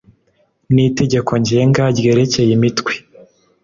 n itegeko ngenga ryerekeye imitwe